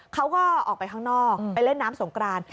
เขาก็ออกไปข้างนอกไปเล่นน้ำสงกราน